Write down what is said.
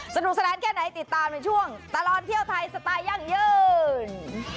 สนุกสนานแค่ไหนติดตามในช่วงตลอดเที่ยวไทยสไตล์ยั่งยืน